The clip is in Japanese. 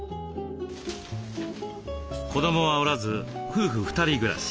子どもはおらず夫婦２人暮らし。